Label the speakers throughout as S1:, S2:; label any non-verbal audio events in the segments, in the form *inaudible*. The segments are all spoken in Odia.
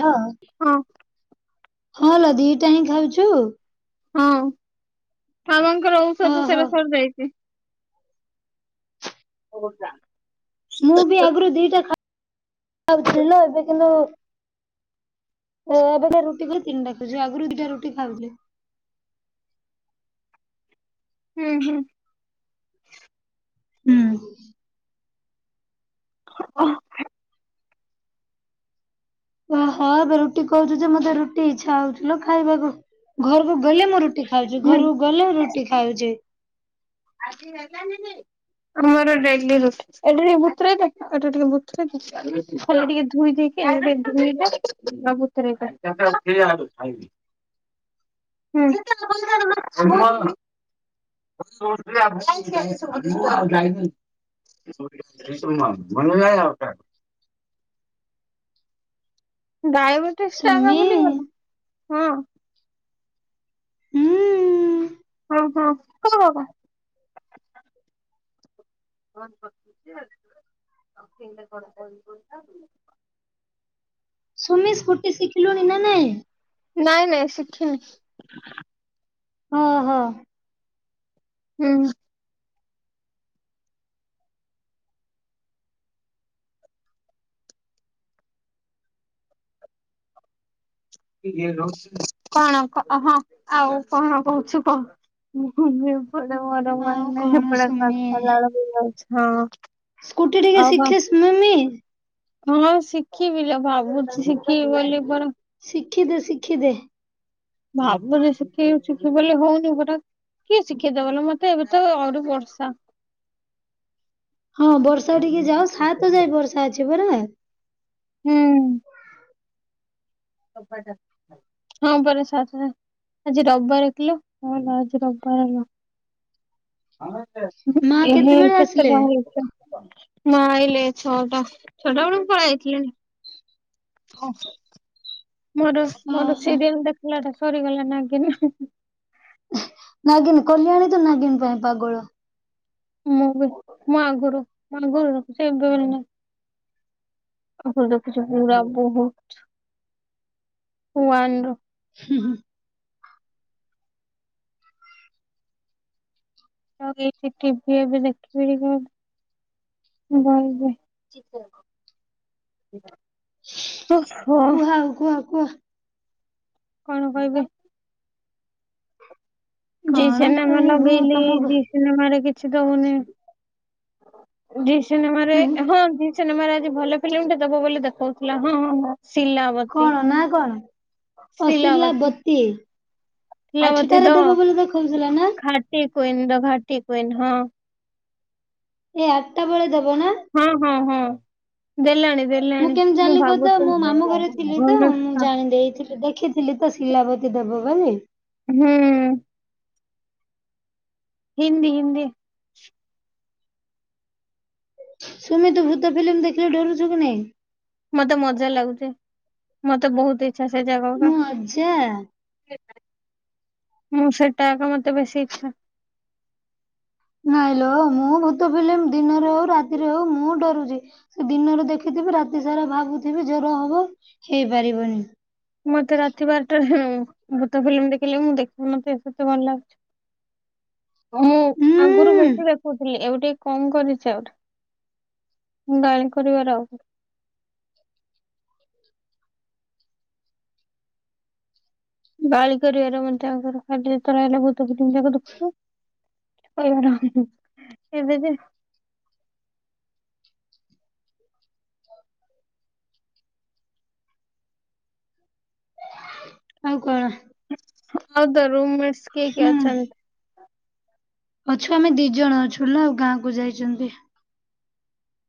S1: ଲ
S2: ହଁ
S1: ହଁଲୋ ଦିଟା ହିଁ ଖାଉଚୁ?
S2: ହଁ ମାମାଙ୍କର ଔଷଧ
S1: ଓହୋ।
S2: ସେଟା ସରିଯାଇଛି। *unintelligible*
S1: ମୁଁ ବି ଆଗରୁ ଦିଟା ଖଉଥିଲି ନା ଏବେ କିନ୍ତୁ ଏବେକା ରୁଟି କୁ ତିନିଟା ଖାଉଛି ଆଗରୁ ଦିଟା ରୁଟି ଖାଉଥିଲି।
S2: ହୁଁ ହୁଁ।
S1: ହୁଁ।
S2: *unintelligible*
S1: ଓହଁ ଏବେ ରୁଟି କହୁଛୁ ଯେ ମତେ ରୁଟି ଇଚ୍ଛା ହଉଚି ଲୋ ଖାଇବାକୁ ଘରକୁ ଗଲେ ମୁଁ ରୁ ରୁଟି ଖାଉଛି
S2: ହୁଁ
S1: ଘରକୁ ଗଲେ ରୁଟି ଖାଉଛି।
S2: ଆମର ଡେଲି ରୁଟି। ଏଇଟା ଟିକେ ବୁତୁରେଇଦେ ଏଟା ଟିକେ ବୁତୁରେଇଦେ ଖାଲି ଟିକେ ଧୋଇ ଦେଇକି ଏଇଟା ଟିକେ *unintelligible* *unintelligible* ଉଠିଯାଆନ୍ତୁ ଖାଇବି। ହୁଁ *unintelligible* ହେମ *unintelligible* *unintelligible* ଡାଇବେଟିସ ଟା ଆଗ
S1: ସୁମି
S2: ଭୁଲିଗଲ ହଁ।
S1: ହୁଁ ଉଁ।
S2: ହଁହଁ କଣ ହବ? *inaudible*
S1: ସୁମି ସ୍କୁୁଟି ଶିଖିଲୁଣି ନା ନାଇଁ।
S2: ନାଇଁ ନାଇଁ ଶିଖିନି।
S1: ହଁ ହଁ।
S2: ହୁଁ। କଣ କ ହଁ ଆଉ କଣ କହୁଛୁ କହ। *unintelligible* ପଡ ମର
S1: ଆଉ
S2: ମାଇ ନାଇ
S1: କଣ
S2: ପା
S1: ସୁମି
S2: ଲଳଛ ହଁ
S1: ସ୍କୁଟି ଟିକେ
S2: ଆଉ କଣ
S1: ଶିଖିଶ୍ ମମି।
S2: ହଁ ଶିଖିବି ନା ଭାବୁଛି ଶିଖିବି ବୋଲି ପର
S1: ଶିଖିଦେ ଶିଖିଦେ।
S2: ଭାବୁଛି ଶିଖେଇ ଶିଖ ବୋଲି ହଉନି ଗୋଟା। କିଏ ଶିଖେଇଦବଲ ମତେ ଏବେ ତ ଆହୁରି ବର୍ଷା।
S1: ହଁ ବର୍ଷା ଟିକେ ଯାଅ ସାତ ଯାଏ ବର୍ଷା ଅଛି ପରା।
S2: ହୁଁ *unintelligible* ହଁ ପରେ ସାତ ଆଜି ରବିବାର କିଲ ହଁ ଆଜି ରବିବାର ହେଲା।
S1: ମା
S2: ଏହେ
S1: କେତେବେଳେ
S2: କେତ
S1: ଆସିଲେ?
S2: ବାହାର କରଚି। ମା ଆଇଲେ ଛଅଟା ଛୋଟା ବେଳେ ପଳଥିଲଥିଲେ। ମୋର ମୋର
S1: ଓହୋ।
S2: ସିରିଏଲ ଦେଖିଲା ଟା ସରିଗଲା ନାଗିନ।
S1: ନାଗିିନ କଲ୍ୟାଣୀ ତ ନାଗିିନ ପାଇଁ ପାଗଳ।
S2: ମୁଁ ବି ମଁ ଆଗରୁ ମୋ ଆଗରୁ ସେ ଏବେ ନାହିଁ। ଆ ଦେଖୁଛି ପୁରୁରା ବହୁତ ହୁଆନ ର।
S1: ହୁଁ।
S2: ଲଗେଇକି ଟିଭି ଏ ବି ଦେଖିବି। ବ ହ।
S1: କୁହଉ କୁହ କୁହ।
S2: କଣ କହିବ। ଜି
S1: କଣ
S2: ସେନେମା
S1: କହିବୁ ତମକୁ
S2: ଲଗେଇଲି। ସିନେମାରେ କିଛି ଦଉନି ଜି ସିନେମାରେ
S1: ହୁଁ
S2: ହଁ ସିନେମାରେ ଆଜି ଭଲ ଫିଲ୍ମ ଟେ ଦବ ବୋଲି ଦେଖଉଥିଲା ହଁ ହଁ ହଁ। ଶିଲାବତି
S1: କଣ ନା
S2: ଶିଲାବତି।
S1: ତି।
S2: ସିଲା ବତି ଦ
S1: ଦେଖଉଥିଲା ନା?
S2: ଘାଟି କୁଇନ ତ ଘାଟି କୁଇନ ହଁ।
S1: ଏ ଆଟଟା ବେଳେ ଦେବେ ନା।
S2: ହଁ ହଁ ହଁ ଦେଲାଣି ଦେ
S1: ମୁଁ କେମିତି ଜାଣିଲି କ ତ ମୋ ମାମୁଁ ଘରେ ଥିଲି
S2: ହୁଁ
S1: ତ ମୁଁ ଜାଣି ଦେଇେଇଥିଲି। ଦେଖିଥିଲି ତ ସିଲାବତୀ ଦେବ ବୋଲି।
S2: ହୁଁ। ହିନ୍ଦୀ ହିନ୍ଦୀ।
S1: ସୁମି ତୁ ଭୂତ ଫିଲ୍ମ ଦେଖିଲେ ଡରୁଛୁ କି ନାଇଁ।
S2: ମତେ ମଜା ଲାଗୁଚେ ମତେ ବହୁତିି।
S1: ମୁଁ ଅଜା
S2: *unintelligible* ମୁଁ ସେଇଟା ଏକ ମତେ ବେଶୀ ଇଚ୍ଛା।
S1: ନାଇଁଲୋ ମୁଁ ଭୂତ ଫିଲିମ ଦିନରେ ହଉ ରାତିରେ ହଉ ମୁଁ ଡରୁଚି। ସେ ଦିନରେ ଦେଖିଥିବି ରାତି ସାରା ଭାବୁଥିବି ଜର ହବ ହେଇପାରିବନି।
S2: ମତେ ରାତି ବାରଟା ଜାଣ ଭୂତ ଫିଲ୍ମ ଦେଖିଲେ ମୁଁ ଦେଖ ମତେ ସେତେ ଭଲ ଲାଗୁଚି।
S1: ହ
S2: ମୁଁ ଆଗରୁ ବେଶୀ ଦେଖୁଥିଲି ଏବେଟେ କଣ କରିଚି ଆହୁରି ଗାଳି କରିବାର ଆଉ। ଗାଳି କରିବାର ମତେ ଆଙ୍କର ଖାଲି ଯେତେବେଳେ ଅଇଲେ ଭୁତ ଫିଲିମ ଯାକ ଦେଖୁଚୁ। *unintelligible*
S1: *unintelligible* ଆଉ କଣ?
S2: ଆଉ ତୋ ରୁମ୍ ମେଟସ୍ କିଏ କିଏ
S1: ହୁଁ
S2: ଅଛନ୍ତି?
S1: ଅଛୁ ଆମେ ଦି ଜଣ ଅଛୁ ନା ଆଉ ଗାଁକୁୁ ଯାଇଚନ୍ତି।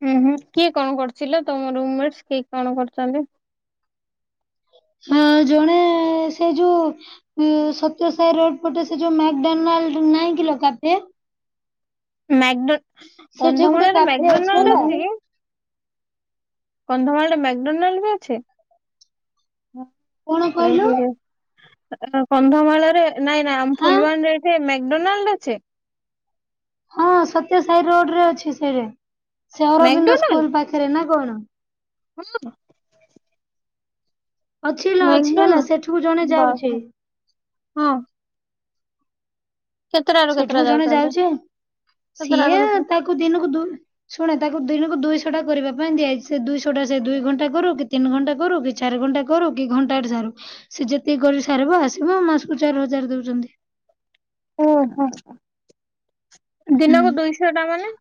S2: ହୁଁ ହୁଁ କିଏ କଁ କରୁଚି ଲୋ ତମ ରୁମ୍ ମେଟସ୍ କିଏ କଣ କରୁଚନ୍ତି?
S1: ହଁ ଜଣେ ସେ ଯୋଉ ଇଏ ସତ୍ୟସାଇ ରୋଡ ପଟେ ସେ ଯୋଉ ମେକଡୋନାଲ୍ଡ ନାଇଁ କିଲୋ କାଫେ?
S2: ମେକଡୋ
S1: ସେଠି ଗୋଟେ
S2: କନ୍ଧମାଳରେ
S1: କାଫେ ହେଲା
S2: ମେକଡୋନାଲ୍ଡ ଅଛି କି? କନ୍ଧମାଳରେ ମେକଡୋନାଲ୍ଡ ବି ଅଛି? *unintelligible*
S1: କଣ କହିଲୁ
S2: ଅ କନ୍ଧମାଳରେ ନାଇଁ ନାଇଁ ଆମ
S1: ହାଁ
S2: ଫୁଲବାଣୀରେ ଏଇଠେ ମେକଡୋନାଲ୍ଡ ଅଛି?
S1: ହଁ ସତ୍ୟସାଇ ରୋଡରେ ଅଛି ସେଇରେ ସେ ଅରବିନ୍ଦ
S2: ମ୍ୟାକଡୋନାଲ୍ଡ
S1: ସ୍କୁଲ ପାଖେରେ ନା କଣ।
S2: *unintelligible*
S1: ଅଛି ହେଲା ଅଛି ହେଲା
S2: ମେକଡୋନା
S1: ସେଠୁକୁ ଜଣେ ଯାଉଛି
S2: ବାପରେ ହଁ। କେତେଟାରୁ କେତେଟା
S1: ସେଠୁକୁ ଜଣେ
S2: ଯାଉଛନ୍ତି?
S1: ଯାଉଚି ଆଉ
S2: କେତେଟାରୁ
S1: ସିଏ
S2: କେତେଟା?
S1: ତାକୁ ଦିନକୁ ଦୁଇ ଶୁଣ ତାକୁ ଦିନୁକୁ ଦୁଇଶଟା କରିବା ପାଇଁ ଦିଆହେଇଚି ସେ ଦୁଇଶଟା ସେ ଦୁଇ ଘଣ୍ଟା କରୁ କି ତିନି ଘଣ୍ଟା କରୁ କି ଚାରି ଘଣ୍ଟା କରୁ କି ଘଣ୍ଟାକରେ ସାରୁ। ସିଏ ଯେତିକି କରି ସାରିବ ଆସିବ ମାସୁକୁ ଚାର୍ ହଜାର ଦଉଚନ୍ତି।
S2: ଓହୋ
S1: ହୁଁ
S2: ଦିନକୁ ଦୁଇଶଟା ମାନେ?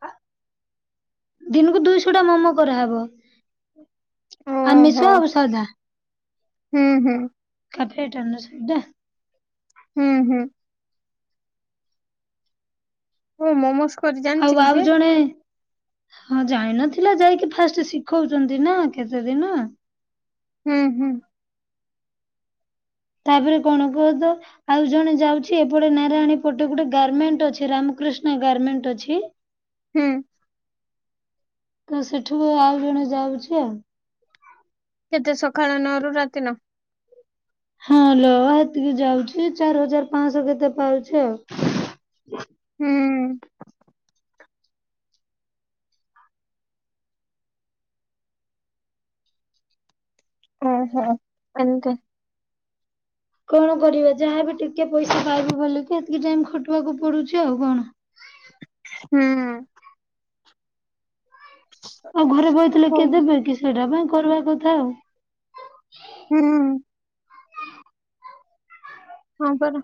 S1: ଦିନୁକୁ ଦୁଇଶଟା ମୋମୋ କରାହବ
S2: ଓହୋ
S1: ଆମିଷ ଆଉ ସାଧା।
S2: ହୁଁ ହୁଁ।
S1: କାଫେଟା ନା ସେଇଟା।
S2: ହୁଁ ହୁଁ। ଓ ମୋମୋସ୍ କରି ଜାଣିଛି
S1: ଆଉ
S2: କି
S1: ଆଉ
S2: ସିଏ?
S1: ଜଣେ ହଁ ଜାଣି ନଥିଲା ଯାଇକି ଫାଷ୍ଟ ଶିଖଉଚନ୍ତି ନା କେତେ ଦିନ।
S2: ହୁଁ ହୁଁ।
S1: ତାପରେ କଣ କୁହ ତ ଆଉ ଜଣେ ଯାଉଚି ଏପଟେ ନାରାୟଣୀ ପଟେ ଗୋଟେ ଗାରମେଣ୍ଟ ଅଛି ରାମକୃଷ୍ଣ ଗାରମେଣ୍ଟ ଅଛି।
S2: ହୁଁ।
S1: କୁ ସେଠୁକୁ ଆଉ ଜଣେ ଯାଉଚି ଆଉ।
S2: କେତେ ସଖାଳ ନଅରୁ ରାତି ନଅ।
S1: ହଁ ଲୋ ହେତିକି ଯାଉଚି ଚାର୍ ହଜାର ପାଁଶ କେତେ ପାଉଚି ଆଉ।
S2: ହୁଁ। ଓହୋ ଏମତି।
S1: କଣ କରିବା ଯାହା ବି ଟିକେ ପଇସା ପାଇବେ ବୋଲିକି ହେତିକି ଟାଇମ୍ ଖଟିବାକୁ ପଡୁଚି ଆଉ କଣ।
S2: ହୁଁ।
S1: ଆଉ ଘରେ ବଇଥିଲେ
S2: ହଉ
S1: କିଏ ଦେବେ କି ସେଇଟା ପାଇଁ କରିବା କଥା ଆଉ।
S2: ହୁଁ। ହଁ ଚାଲ।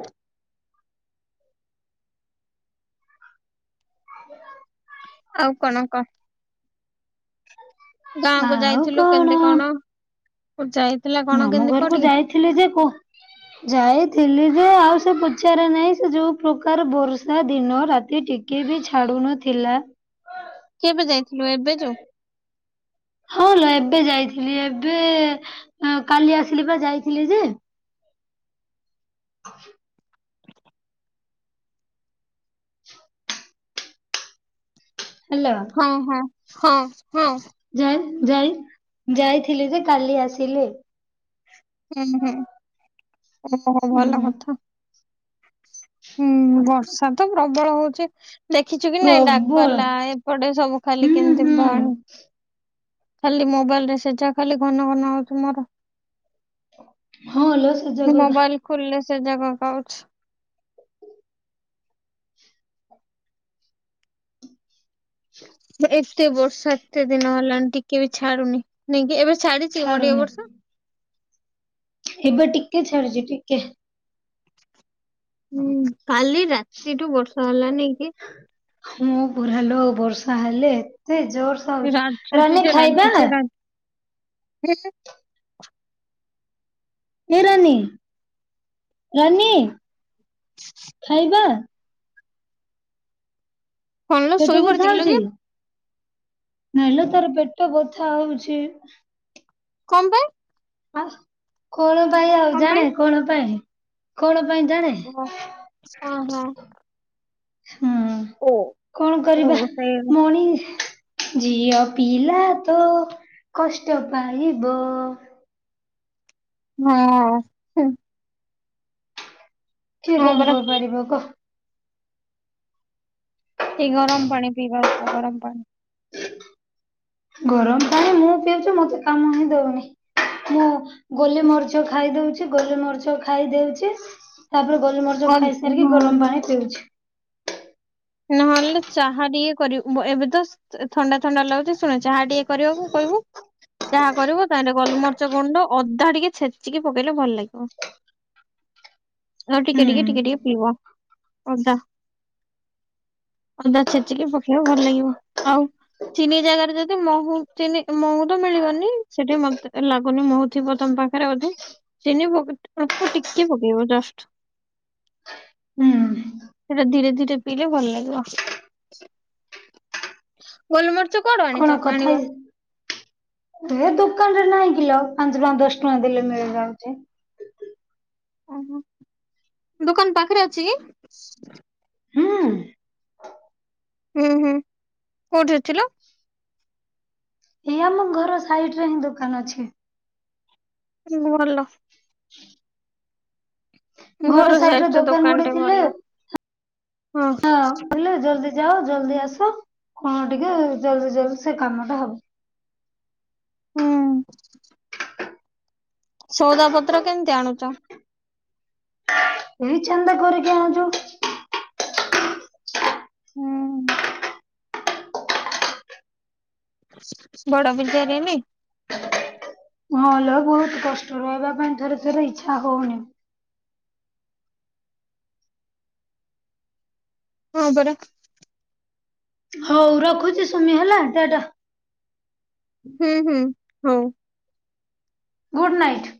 S1: *inaudible*
S2: ଆଉ କଣ କ। ଗାଁକୁ ଯାଇଥିଲୁ କେମିତି କଣ ଉଟ୍ ଯାଏ।
S1: ମାମୁଁ ଘରୁକୁ ଯାଇଥିଲି ଯେ କୋ ଯାଇଥିଲି ଯେ ଆଉ ସେ ପୁଚାର ନାଇଁ ସେ ଯୋଉ ପ୍ରକାର ବର୍ଷା ଦିନ ରାତି ଟି କିଏ ବି ଛାଡୁନଥିଲା।
S2: କେବେ ଯାଇଥିଲୁ ଏବେ ଯୋଉ
S1: ହଁ ଲୋ ଏବେ ଯାଇଥିଲି ଏବେ ଆଁ କାଲି ଆସିଲି ବା ଯାଇଥିଲି ଯେ *inaudible* ହାଲୋ।
S2: ହଁ ହଁ ହଁ ହଁ।
S1: ଯାଇନ୍ ଯାଇନ୍ ଯାଇଥିଲି ଯେ କାଲି ଆସିଲି।
S2: ହୁଁ ହୁଁ ଓହୋ ଭଲ
S1: ହୁଁ
S2: କଥା। ହୁଁ ବର୍ଷା ତ ପ୍ରବଳ ହଉଚି। ଦେଖିଛୁ କି ନାଇଁ ଡାକ୍
S1: ପ୍ରବଳ
S2: ପାଲା ଏପଟେ ସବୁ ଖାଲି
S1: ହୁଁ
S2: କେମିତି
S1: ହୁଁ
S2: ବାହା ଖାଲି ମୋବାଇଲ୍ ରେ ସେଇଟା ଖାଲି ଘନ ଘନ ଆଉଚି ମୋର।
S1: ହଁ ଲୋ। ସେ
S2: ମୁଁ
S1: ଜାଗା
S2: ମୋବାଇଲ ଖୋଲିଲେ ସେ ଜାଗାକୁ ଆଉଚି। ଏତେ ବର୍ଷା ଏତେ ଦିନ ହେଲାଣି ଟିକେ ବି ଛାଡୁନି ନାଇଁ କି ଏବେ ଛାଡିଛି ମୋ ଟିକେ
S1: ଛାଡୁନି
S2: ବର୍ଷା।
S1: ଏବେ ଟିକେ ଛାଡିଛି ଟିକେ।
S2: ହୁଁ କାଲି ରାତିରୁ ବର୍ଷା ହେଲାନି କି?
S1: ହଁ ପରାଲୋ ବର୍ଷା ହେଲେ ଏତେ ଜୋର ତ ହଉଚି
S2: ରାଝୁଛି
S1: ରାନି ଖାଇବା।
S2: ହୁଁ।
S1: ଏ ରାନୀ ରାନୀ ଖାଇବା।
S2: କଣ ଲୋ
S1: ପେଟ
S2: ଶୋଇ
S1: ବଥା
S2: ପଡିଛି କିଲୋ
S1: ହଉଚି
S2: କି
S1: ନାଇଁ ଲୋ ତାର ପେଟ ବଥା ହଉଚି।
S2: କଣ ପାଇଁ।
S1: ଆ କଣ ପାଇଁ ଆଉ
S2: କଣ
S1: ଜାଣେ
S2: ପାଇଁ?
S1: କଣ ପାଇଁ କଣ ପାଇଁ ଜାଣେ।
S2: ହଁ ଓହୋ।
S1: ହୁଁ
S2: ଓ
S1: କଣ
S2: ଓ
S1: କରିବା
S2: ସେ
S1: ମଣି। ଝିଅ ପିଲା ତ କଷ୍ଟ ପାଇବ।
S2: ହଁ। ହୁଁ
S1: କିଏ
S2: ହଁ
S1: କଣ
S2: ପରା
S1: କରିପାରିବ କହ।
S2: ଟିକେ ଗରମ ପାଣି ପିଇବାକୁ କହ ଗରମ ପାଣି।
S1: ଗରମ ପାଣି ମୁଁ ପିଉଚି ମତେ କାମ ହିଁ ଦଉନି। ମୁଁ ଗୋଲି ମରିଚ ଖାଇଦଉଚି ଗୋଲି ମରିଚ ଖାଇଦେଉଚି। ତାପରେ ଗୋଲ ମରିଚ
S2: ଅ-
S1: ଖାଇସାରିକି
S2: ହଁ
S1: ଗରମ ପାଣି ପିଉଚି।
S2: ନହେଲେ ଚାହା ଟିକେ କରିବୁ ଏବେ ତ ଥଣ୍ଡା ଥଣ୍ଡା ଲାଗୁଚି ଶୁଣେ ଚାହା ଟିକେ କରିବାକୁୁ କହିବୁ। ଚାହା କରିବୁ ତାନେ ଗୋଲମରିଚ ଗୁଣ୍ଡ ଅଦା ଟିକେ ଛେଚିକି ପକେଇଲେ ଭଲ ଲାଗିବ।
S1: ଁ *unintelligible*
S2: ହଁ ଟିକେ ଟିକେ ଟିକେ ପିଇବ ଅଦା। ଅଦା ଛେଚିକି ପକେଇବ ଭଲ ଲାଗିବ ଆଉ ଚିନି ଜାଗାରେ ଯଦି ମହୁ ଚିନି ମହୁ ତ ମିଳିବନି ସେଠି ମତେ ଲାଗୁନି ମହୁ ଥିବ ତମ ପା ତାର ଅଧେ ଚିନି ବ ଅଳ୍ପ ଟିକେ ପକେଇବ ଜଷ୍ଟ।
S1: ହ *unintelligible*
S2: ହେରା ଧୀରେ ଧୀରେ ପିଇଲେ ଭଲ ଲାଗିବ। ଗୋଲମରିଚ କଣ?
S1: କଣ କଥା ହେଇ ଏ ଦୋକାନରେ ନାଇଁ କିିଲ ପାଞ୍ଚ ଟଙ୍କା ଦଶ ଟଙ୍କା ଦେଲେ ମିଳି ଯାଉଚି।
S2: ଓହୋ ଦୁକାନ ପାଖରେ ଅଛି କି?
S1: ହୁଁ।
S2: ହୁଁ ହୁଁ କୋଉଠି ଅଛି ଲୋ?
S1: ଏଇ ଆମ ଘର ସାଇଡରେ ହିଁ ଦୋକାନ ଅଛି।
S2: ଭଲ।
S1: ହୁଁ *unintelligible* ଘର ସାଇଡ ରେ
S2: ସାଇଟରେ
S1: ଦୋକାନ ଗୋଟେ
S2: ଦୋକାନଟେ
S1: ଥିଲା
S2: ଭଲ
S1: ହଁ ହେଲେ ଜଲଦି ଯାଅ ଜଲ୍ଦି ଆସ କଣ ଟିକେ ଜଲ୍ଦି ଜଲ୍ଦି ସେ କାମ ଟା ହବ।
S2: ହୁଁ। ସଉଦା ପତ୍ର କେମିତି ଆଣୁଚ?
S1: ଏଇ ଚାନ୍ଦା କରିକି ଆଣୁଚୁ।
S2: ହୁଁ। ବଡ ବିଚାରିନି *unintelligible*
S1: ହଁଲୋ ବହୁତ କଷ୍ଟ ରହିବା ପାଇଁ ଥରେ ଥରେ ଇଛା ହଉନି।
S2: ହଁ ମ୍ପରା।
S1: ହଉ ରଖୁଛି ସୋନି ହେଲା ଟାଟା।
S2: ହୁଁ ହୁଁ ହଉ।
S1: Good night.